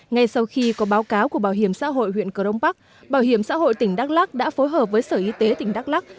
ngay sau khi có báo cáo của bảo hiểm xã hội huyện cờ đông bắc bảo hiểm xã hội tỉnh đắk lắc đã phối hợp với sở y tế tỉnh đắk lắc